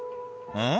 「うん？」